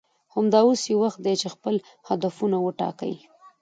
همدا اوس یې وخت دی چې خپل هدفونه وټاکئ